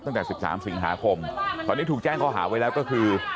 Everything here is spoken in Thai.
ตั้งแต่๑๓สิงหาคมตอนนี้ถูกแจ้งข้อหาไว้แล้วก็คือ